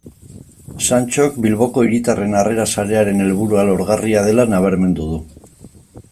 Santxok Bilboko Hiritarren Harrera Sarearen helburua lorgarria dela nabarmendu du.